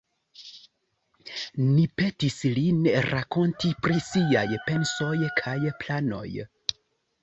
Ni petis lin rakonti pri siaj pensoj kaj planoj.